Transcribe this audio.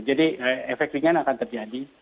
jadi efek ringan akan terjadi